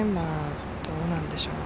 どうなんでしょう。